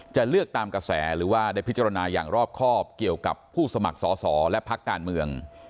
จะเลือกตามกระแสหรือว่าได้พิจารณาอย่างรอบครอบเกี่ยวกับผู้สมัครสอสอและพักการเมือง